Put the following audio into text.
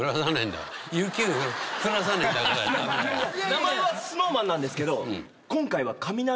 名前はＳｎｏｗＭａｎなんですけど。